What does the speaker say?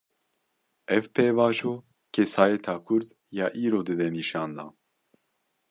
Ev pêvajo, kesayeta Kurd ya îro dide nîşandan